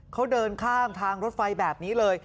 เขาเดินข้ามทางรถไฟแบบนี้เลย